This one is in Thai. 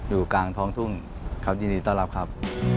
อยู่กลางท้องทุ่งเขายินดีต้อนรับครับ